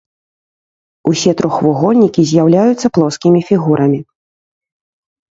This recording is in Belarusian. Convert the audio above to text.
Усе трохвугольнікі з'яўляюцца плоскімі фігурамі.